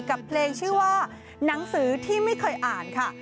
กับเพลงชื่อว่าหนังสือที่ไม่เคยอ่านค่ะ